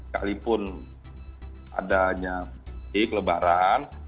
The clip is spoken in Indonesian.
kalaipun adanya kelebaran